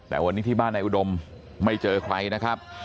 แต่วันนี้ที่บ้านนายอุดมไม่เจอใครนะครับ